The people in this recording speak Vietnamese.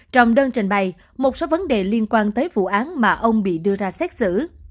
trong đơn trình bày một số vấn đề liên quan tới vụ án mà ông bị đưa ra xét xử